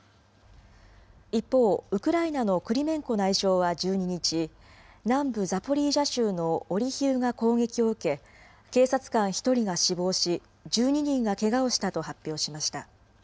一方、ウクライナのクリメンコ内相は１２日、南部ザポリージャ州のオリヒウが攻撃を受け、警察官１人が死亡し、１２人がけがをしたと発表しました。